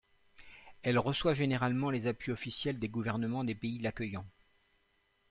Elle reçoit généralement les appuis officiels des gouvernements des pays l'accueillant.